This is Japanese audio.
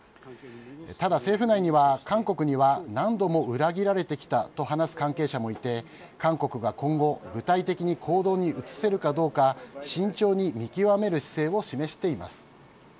ただ、政府内には韓国には何度も裏切られてきたと話す関係者もいて韓国が今後具体的に行動に移せるかどうか慎重に見極める姿勢を示しています。